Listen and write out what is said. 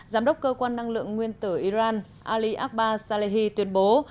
giám đốc cơ quan năng lượng nguyên tử iran ali abba salehi tuyên bố